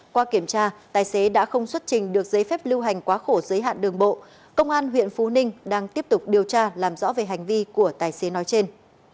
qua kiểm tra tài xế đã không xuất trình được giấy phép lưu hành quá khổ giới hạn đường bộ công an huyện phú ninh đang tiếp tục điều tra làm rõ về hành vi của tài xế nói trên